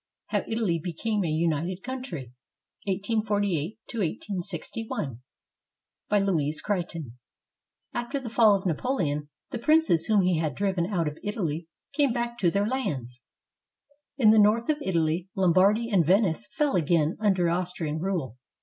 HOW ITALY BECAME A UNITED COUNTRY [1848 1861] BY LOUISE CREIGHTON After the fall of Napoleon, the princes whom he had driven out of Italy came back to their lands. In the north of Italy, Lombardy and Venice fell again under Austrian rule.